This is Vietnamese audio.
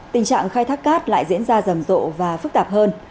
tình trạng khai thác cát lại diễn ra rầm rộ và phức tạp hơn